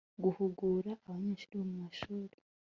guhugura abanyeshuri bo mu mashuri